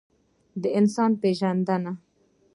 د انسان پېژندنه.